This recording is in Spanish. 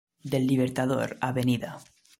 Del Libertador, Av.